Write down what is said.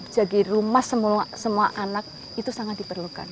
jadi rumah semua anak itu sangat diperlukan